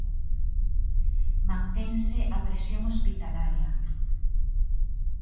Mantense a presión hospitalaria.